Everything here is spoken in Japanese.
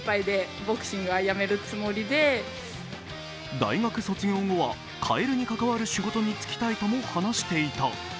大学卒業後はカエルに関わる仕事に就きたいとも話していた。